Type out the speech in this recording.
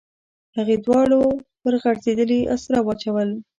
هغې دواړه پر غځېدلې اسره واچول.